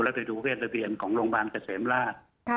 แล้วไปดูเวทระเบียนของโรงพยาบาลเกษมราช